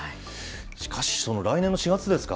しかし、その来年の４月ですか？